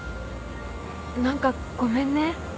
何かごめんね。